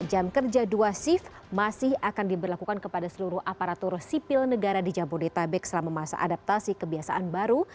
jam kerja dua shift masih akan diberlakukan kepada seluruh aparatur sipil negara di jabodetabek selama masa adaptasi kebiasaan baru